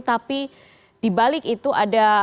tapi dibalik itu ada